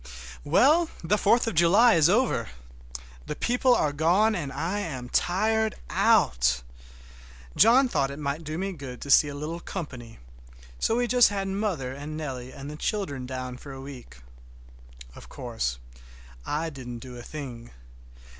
Well, the Fourth of July is over! The people are gone and I am tired out. John thought it might do me good to see a little company, so we just had mother and Nellie and the children down for a week. Of course I didn't do a thing.